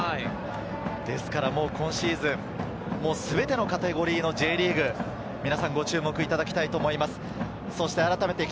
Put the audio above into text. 今シーズン、全てのカテゴリーのＪリーグ、皆さん、ご注目いただきたいと思います。